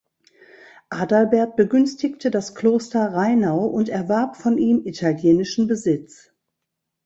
Adalbert begünstigte das Kloster Rheinau und erwarb von ihm italienischen Besitz.